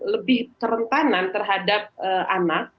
lebih kerentanan terhadap anak